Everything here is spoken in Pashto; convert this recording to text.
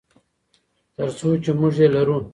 تر څو چې موږ یې لرو.